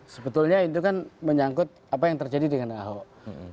sebetulnya itu kan menyangkut apa yang terjadi dengan ahok